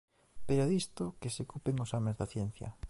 Pero disto que se ocupen os homes de ciencia.